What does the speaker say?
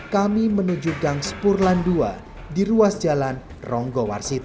kami menuju gang spurlan ii di ruas jalan ronggo warsito